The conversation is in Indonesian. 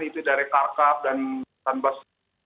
itu dari karkab dan sanbas